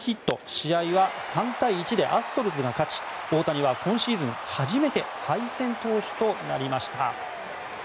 試合は３対１でアストロズが勝ち大谷は今シーズン初めて敗戦投手となりました。